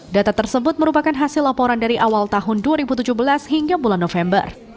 data tersebut merupakan hasil laporan dari awal tahun dua ribu tujuh belas hingga bulan november